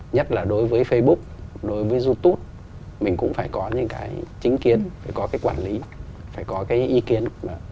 nhất là đối với facebook đối với youtube mình cũng phải có những cái chính kiến phải có cái quản lý phải có cái ý kiến